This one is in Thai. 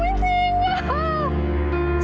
ไม่ไม่จริง